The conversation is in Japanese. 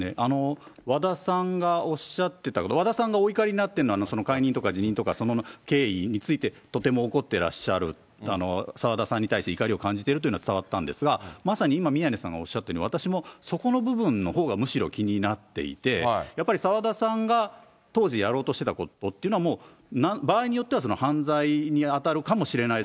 和田さんがおっしゃってたこと、和田さんがお怒りになってるのは、その解任とか辞任とか、その経緯について、とても怒ってらっしゃる、澤田さんに対して怒りを感じているというのは伝わったんですが、まさに今、宮根さんがおっしゃったように、私もそこの部分のほうがむしろ気になっていて、やっぱり澤田さんが当時やろうとしていたことというのは、場合によっては犯罪に当たるかもしれない。